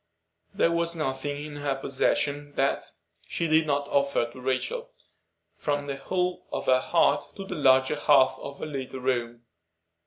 There was nothing in her possession that she did not offer Rachel, from the whole of her heart to the larger half of her little room.